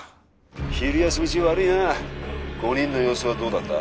☎昼休み中悪いな５人の様子はどうだった？